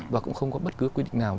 và cũng không có bất cứ quy định nào